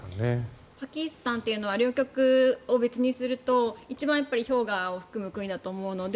パキスタンは両極を別にすると一番氷河を含む国だと思うので